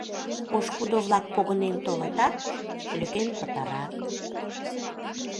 Пошкудо-влак погынен толытат, лӧкен пытарат...